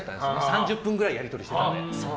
３０分くらいやり取りしてたので。